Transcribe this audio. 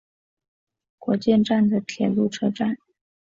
国见站的铁路车站。